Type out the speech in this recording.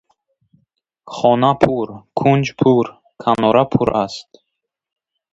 Хона пур, кунҷ пур, канора пур аст.